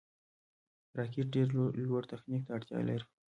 راکټ ډېر لوړ تخنیک ته اړتیا لري